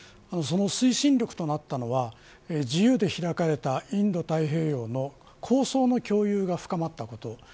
その推進力となったのは自由で開かれたインド太平洋の構想の共有が深まったこと。